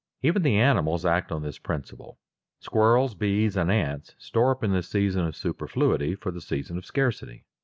Even the animals act on this principle. Squirrels, bees, and ants store up in the season of superfluity for the season of scarcity.